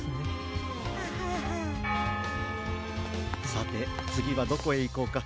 さてつぎはどこへいこうか。